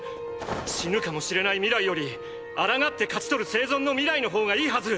死ぬかもしれない未来より抗って勝ちとる生存の未来の方がいいはず！